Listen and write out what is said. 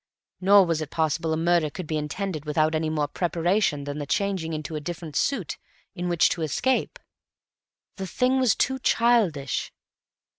Nor was it possible a murder could be intended without any more preparation than the changing into a different suit in which to escape. The thing was too childish.